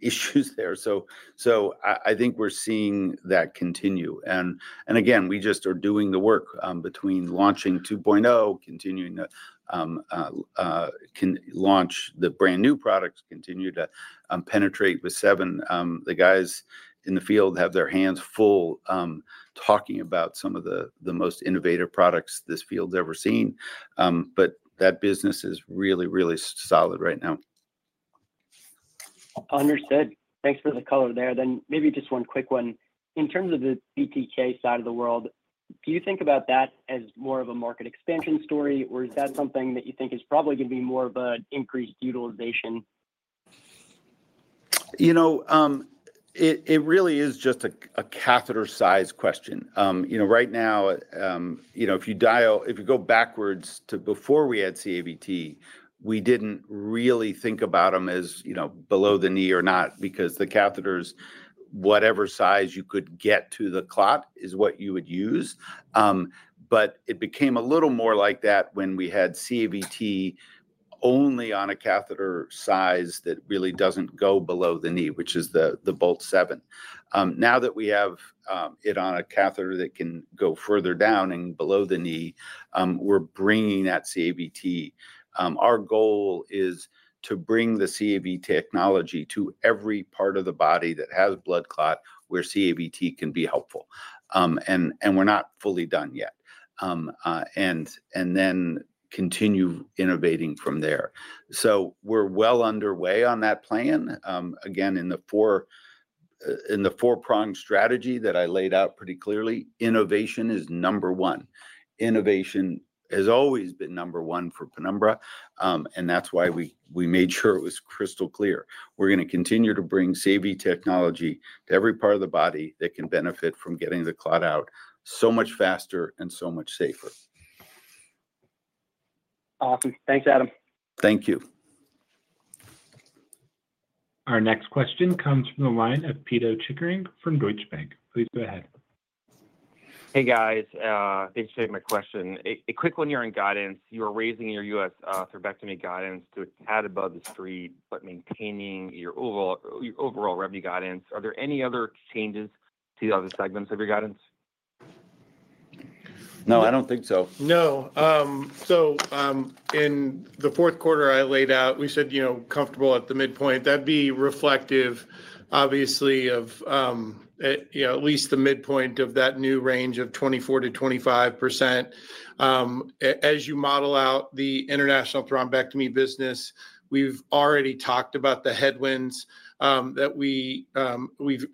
issues there. So I think we're seeing that continue. And again, we just are doing the work between launching 2.0, continuing to launch the brand new products, continue to penetrate with 7. The guys in the field have their hands full talking about some of the most innovative products this field's ever seen. But that business is really, really solid right now. Understood. Thanks for the color there. Then maybe just one quick one. In terms of the BTK side of the world, do you think about that as more of a market expansion story, or is that something that you think is probably going to be more of an increased utilization? You know, it really is just a catheter size question. Right now, if you go backwards to before we had CABT, we didn't really think about them as below the knee or not because the catheters, whatever size you could get to the clot is what you would use. But it became a little more like that when we had CABT only on a catheter size that really doesn't go below the knee, which is the Bolt 7. Now that we have it on a catheter that can go further down and below the knee, we're bringing that CABT. Our goal is to bring the CAB technology to every part of the body that has blood clot where CABT can be helpful. And we're not fully done yet. And then continue innovating from there. So we're well underway on that plan. Again, in the four-pronged strategy that I laid out pretty clearly, innovation is number one. Innovation has always been number one for Penumbra, and that's why we made sure it was crystal clear. We're going to continue to bring CABT technology to every part of the body that can benefit from getting the clot out so much faster and so much safer. Awesome. Thanks, Adam. Thank you. Our next question comes from the line of Pito Chickering from Deutsche Bank. Please go ahead. Hey, guys. Thanks for taking my question. A quick one here on guidance. You are raising your U.S. thrombectomy guidance to a tad above the street, but maintaining your overall revenue guidance. Are there any other changes to the other segments of your guidance? No, I don't think so. No. So in the fourth quarter, I laid out, we said comfortable at the midpoint. That'd be reflective, obviously, of at least the midpoint of that new range of 24%-25%. As you model out the international thrombectomy business, we've already talked about the headwinds that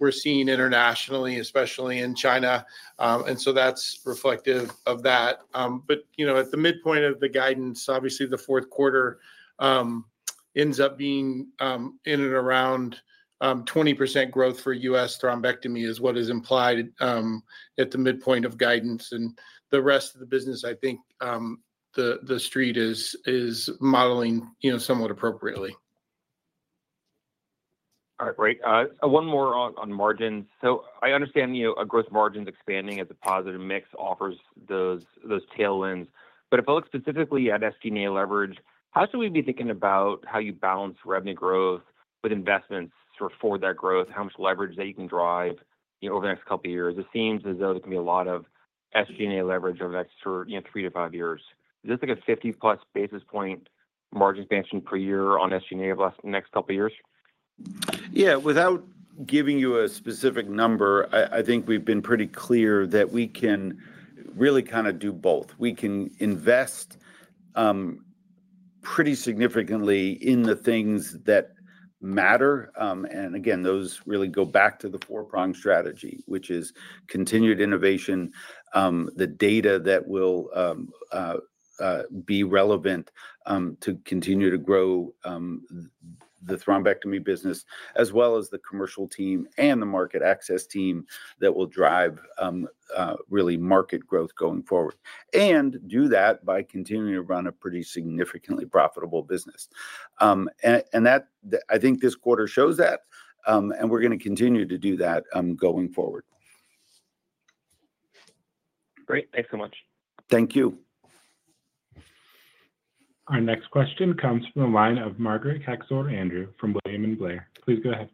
we're seeing internationally, especially in China. And so that's reflective of that. But at the midpoint of the guidance, obviously, the fourth quarter ends up being in and around 20% growth for US thrombectomy is what is implied at the midpoint of guidance. And the rest of the business, I think the street is modeling somewhat appropriately. All right. Great. One more on margins. So I understand a gross margin's expanding as a positive mix offers those tailwinds. But if I look specifically at SG&A leverage, how should we be thinking about how you balance revenue growth with investments for that growth? How much leverage that you can drive over the next couple of years? It seems as though there can be a lot of SG&A leverage over the next three to five years. Is this like a 50-plus basis point margin expansion per year on SG&A over the next couple of years? Yeah. Without giving you a specific number, I think we've been pretty clear that we can really kind of do both. We can invest pretty significantly in the things that matter. And again, those really go back to the four-pronged strategy, which is continued innovation, the data that will be relevant to continue to grow the thrombectomy business, as well as the commercial team and the market access team that will drive really market growth going forward. And do that by continuing to run a pretty significantly profitable business. And I think this quarter shows that. And we're going to continue to do that going forward. Great. Thanks so much. Thank you. Our next question comes from the line of Margaret Kaczor Andrew from William Blair. Please go ahead.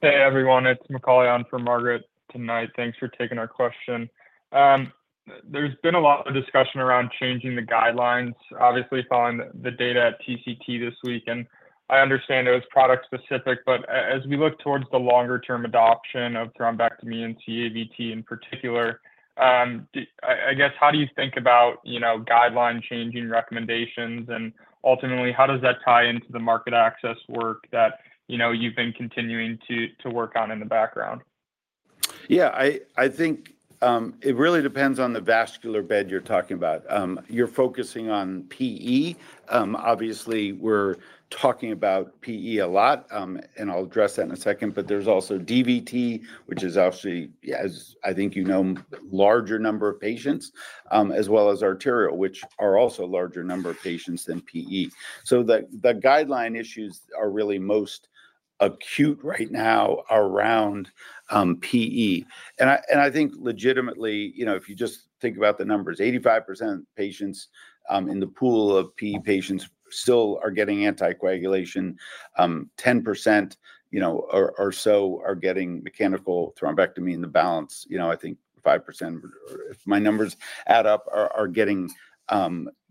Hey, everyone. It's McCauley-Ann from Margaret tonight. Thanks for taking our question. There's been a lot of discussion around changing the guidelines, obviously, following the data at TCT this week, and I understand it was product-specific, but as we look towards the longer-term adoption of thrombectomy and CABT in particular, I guess, how do you think about guideline-changing recommendations, and ultimately, how does that tie into the market access work that you've been continuing to work on in the background? Yeah. I think it really depends on the vascular bed you're talking about. You're focusing on PE. Obviously, we're talking about PE a lot. And I'll address that in a second. But there's also DVT, which is obviously, as I think you know, a larger number of patients, as well as arterial, which are also a larger number of patients than PE. So the guideline issues are really most acute right now around PE. And I think legitimately, if you just think about the numbers, 85% of patients in the pool of PE patients still are getting anticoagulation. 10% or so are getting mechanical thrombectomy in the balance. I think 5%, if my numbers add up, are getting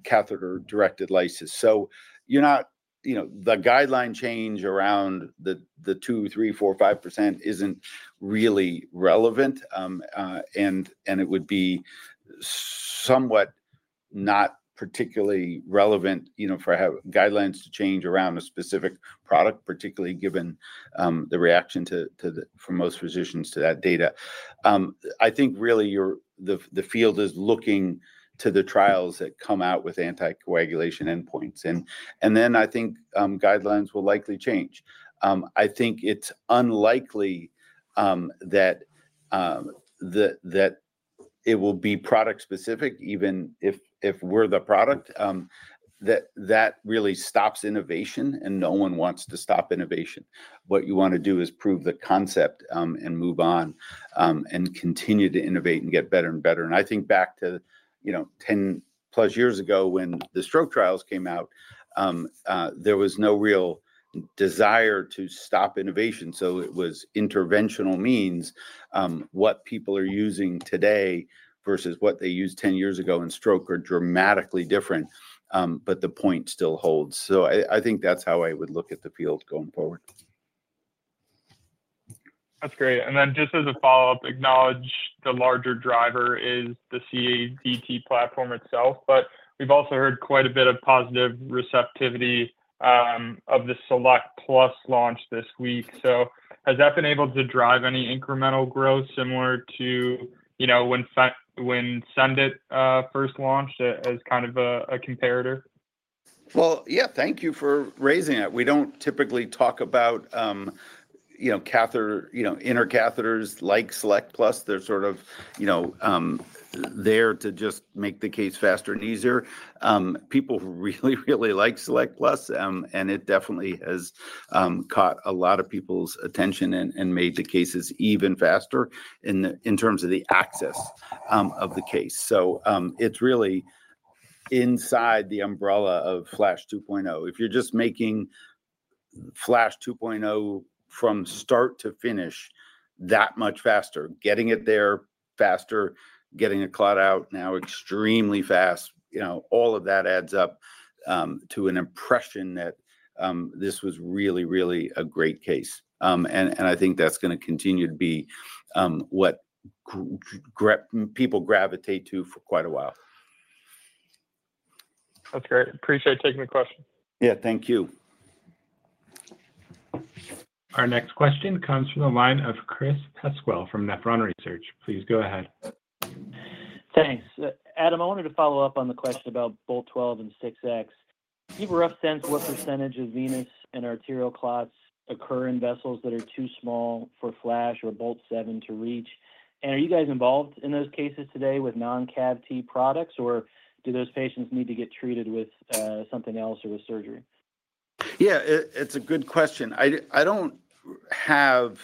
catheter-directed lysis. So the guideline change around the 2, 3, 4, 5% isn't really relevant. And it would be somewhat not particularly relevant for guidelines to change around a specific product, particularly given the reaction from most physicians to that data. I think really the field is looking to the trials that come out with anticoagulation endpoints. And then I think guidelines will likely change. I think it's unlikely that it will be product-specific, even if we're the product. That really stops innovation, and no one wants to stop innovation. What you want to do is prove the concept and move on and continue to innovate and get better and better. And I think back to 10-plus years ago when the stroke trials came out, there was no real desire to stop innovation. So it was interventional means. What people are using today versus what they used 10 years ago in stroke are dramatically different. But the point still holds. So I think that's how I would look at the field going forward. That's great. And then just as a follow-up, acknowledge the larger driver is the CABT platform itself. But we've also heard quite a bit of positive receptivity of the Select Plus launch this week. So has that been able to drive any incremental growth similar to when Sendit first launched as kind of a comparator? Well, yeah, thank you for raising it. We don't typically talk about inner catheters like Select Plus. They're sort of there to just make the case faster and easier. People really, really like Select Plus. And it definitely has caught a lot of people's attention and made the cases even faster in terms of the access of the case. So it's really inside the umbrella of Flash 2.0. If you're just making Flash 2.0 from start to finish that much faster, getting it there faster, getting a clot out now extremely fast, all of that adds up to an impression that this was really, really a great case. And I think that's going to continue to be what people gravitate to for quite a while. That's great. Appreciate taking the question. Yeah, thank you. Our next question comes from the line of Chris Pasquale from Nephron Research. Please go ahead. Thanks. Adam, I wanted to follow up on the question about Bolt 12 and 6X. Do you have a rough sense what percentage of venous and arterial clots occur in vessels that are too small for Flash or Bolt 7 to reach? And are you guys involved in those cases today with non-CABT products, or do those patients need to get treated with something else or with surgery? Yeah, it's a good question. I don't have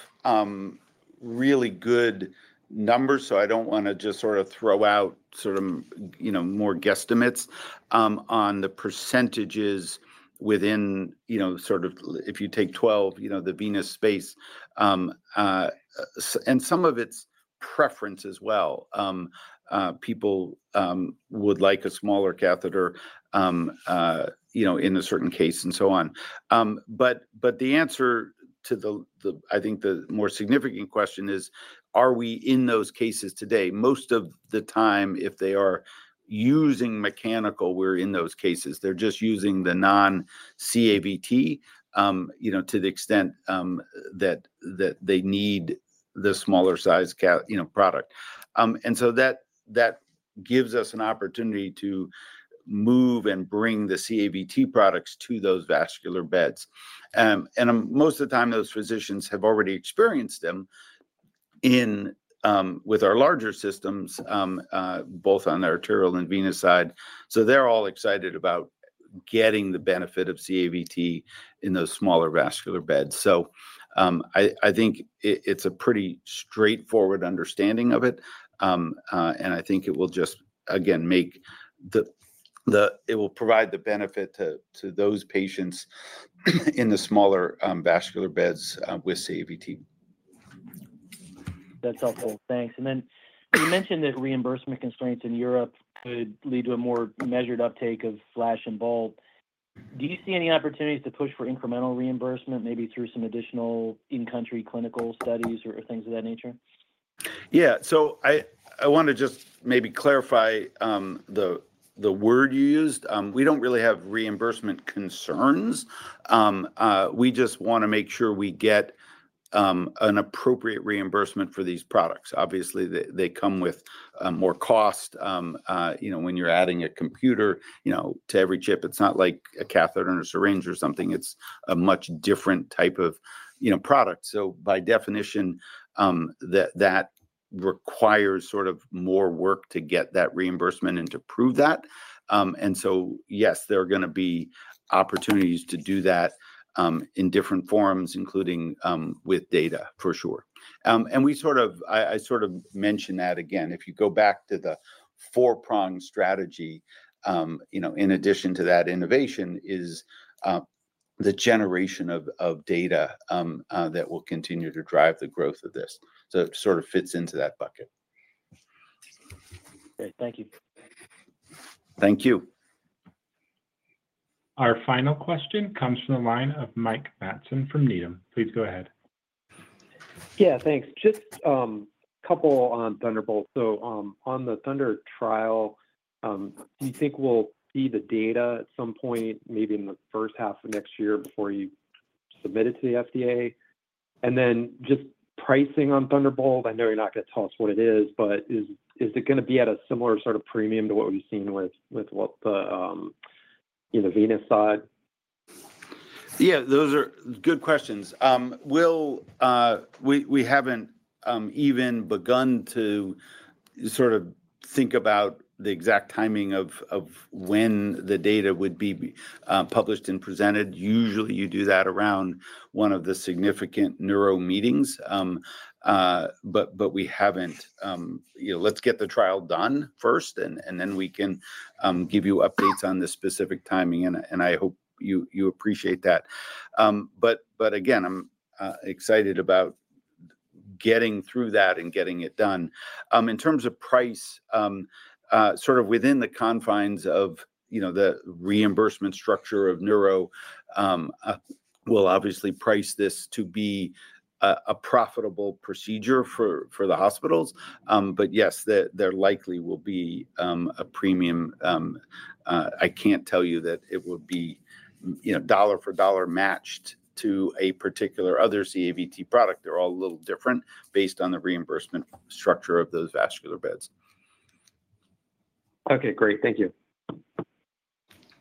really good numbers, so I don't want to just sort of throw out sort of more guesstimates on the percentages within sort of if you take 12, the venous space, and some of it's preference as well. People would like a smaller catheter in a certain case and so on. But the answer to, I think, the more significant question is, are we in those cases today? Most of the time, if they are using mechanical, we're in those cases. They're just using the non-CABT to the extent that they need the smaller-sized product. And so that gives us an opportunity to move and bring the CABT products to those vascular beds. And most of the time, those physicians have already experienced them with our larger systems, both on the arterial and venous side. So they're all excited about getting the benefit of CABT in those smaller vascular beds. So I think it's a pretty straightforward understanding of it. And I think it will just, again, make it will provide the benefit to those patients in the smaller vascular beds with CABT. That's helpful. Thanks. And then you mentioned that reimbursement constraints in Europe could lead to a more measured uptake of Flash and bolt. Do you see any opportunities to push for incremental reimbursement, maybe through some additional in-country clinical studies or things of that nature? Yeah. So I want to just maybe clarify the word you used. We don't really have reimbursement concerns. We just want to make sure we get an appropriate reimbursement for these products. Obviously, they come with more cost when you're adding a computer to every chip. It's not like a catheter and a syringe or something. It's a much different type of product, so by definition, that requires sort of more work to get that reimbursement and to prove that. And so, yes, there are going to be opportunities to do that in different forms, including with data, for sure. And I sort of mentioned that again. If you go back to the four-pronged strategy, in addition to that innovation is the generation of data that will continue to drive the growth of this, so it sort of fits into that bucket. Great. Thank you. Thank you. Our final question comes from the line of Mike Matson from Needham. Please go ahead. Yeah, thanks. Just a couple on Thunderbolt. So on the Thunder trial, do you think we'll see the data at some point, maybe in the first half of next year before you submit it to the FDA? And then just pricing on Thunderbolt, I know you're not going to tell us what it is, but is it going to be at a similar sort of premium to what we've seen with the venous side? Yeah, those are good questions. We haven't even begun to sort of think about the exact timing of when the data would be published and presented. Usually, you do that around one of the significant neuro meetings. But we haven't. Let's get the trial done first, and then we can give you updates on the specific timing. And I hope you appreciate that. But again, I'm excited about getting through that and getting it done. In terms of price, sort of within the confines of the reimbursement structure of neuro, we'll obviously price this to be a profitable procedure for the hospitals. But yes, there likely will be a premium. I can't tell you that it would be dollar-for-dollar matched to a particular other CABT product. They're all a little different based on the reimbursement structure of those vascular beds. Okay. Great. Thank you.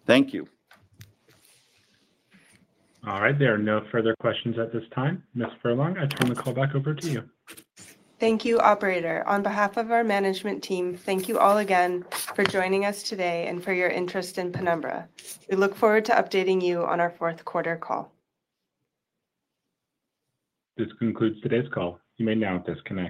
Thank you. All right. There are no further questions at this time. Ms. Furlong, I turn the call back over to you. Thank you, operator. On behalf of our management team, thank you all again for joining us today and for your interest in Penumbra. We look forward to updating you on our fourth-quarter call. This concludes today's call. You may now disconnect.